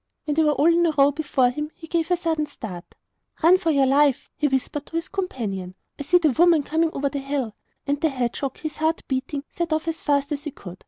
When they were all in a row before him he gave a sudden start. 'Run for your life,' he whispered to his companion; 'I see the woman coming over the hill!' And the hedgehog, his heart beating, set off as fast as he could.